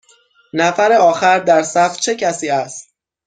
نفر آخر در صف چه کسی است؟